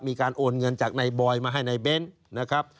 มีการโอนเงินจากนายบอยมาให้นายเบ้นนะครับ